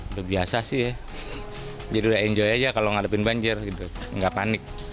udah biasa sih ya jadi udah enjoy aja kalau ngadepin banjir gitu nggak panik